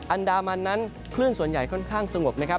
อันดามันนั้นคลื่นส่วนใหญ่ค่อนข้างสงบนะครับ